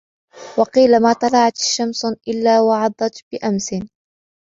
وَقِيلَ مَا طَلَعَتْ شَمْسٌ ، إلَّا وَعَظَتْ بِأَمْسٍ